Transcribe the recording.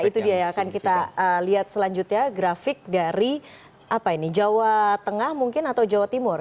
itu dia ya akan kita lihat selanjutnya grafik dari jawa tengah mungkin atau jawa timur